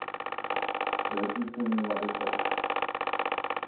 تعجبني وظيفتكِ.